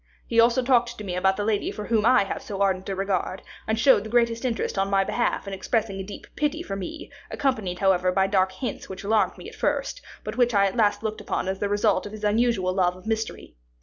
He also talked to me about the lady for whom I have so ardent a regard, and showed the greatest interest on my behalf in expressing a deep pity for me, accompanied, however, by dark hints which alarmed me at first, but which I at last looked upon as the result of his usual love of mystery.